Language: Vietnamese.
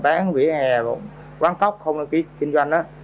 các cái điểm mà nhỏ lẻ ở bán vỉa hè quán cốc không đăng ký kinh doanh